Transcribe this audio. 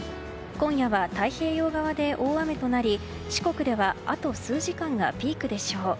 今夜は太平洋側で大雨となり四国ではあと数時間がピークでしょう。